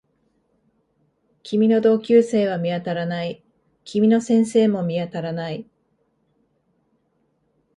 君の同級生は見当たらない。君の先生も見当たらない